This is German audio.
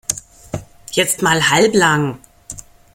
Jetzt mal halblang!